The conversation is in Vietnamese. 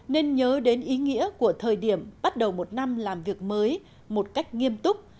nên nhớ đến ý nghĩa của thời điểm bắt đầu một năm làm việc mới một cách nghiêm túc